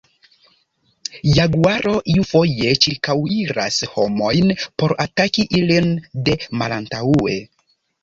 Jaguaro iufoje ĉirkaŭiras homojn por ataki ilin de malantaŭe.